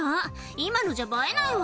今のじゃ映えないわ。